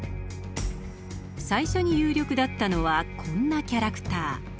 最初に有力だったのはこんなキャラクター。